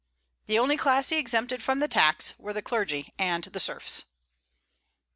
The only class he exempted from the tax were the clergy and the serfs.